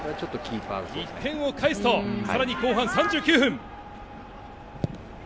１点を返すと更に後半３９分。